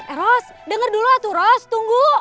eros denger dulu lah tuh ros tunggu